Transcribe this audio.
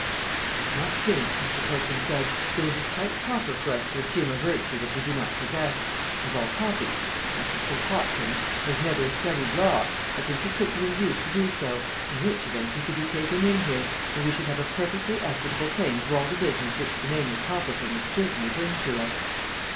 "I do not think," Mr. Perkins said, "that it is quite proper for us to assume a virtue that we do not possess, and while Hoppy I should say Hopkins has never studied law, I think he could be induced to do so, in which event he could be taken in here, and we should have a perfectly equitable claim to all the business which the name of Toppleton would certainly bring to us."